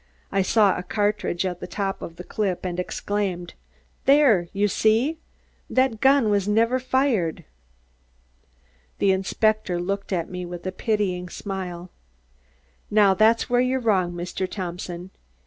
I saw a cartridge at the top of the clip and exclaimed: "There! You see? That gun was never fired!" The inspector looked at me with a pitying smile. "Now, that's where you're wrong, Mr. Thompson.